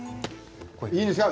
いいんですか？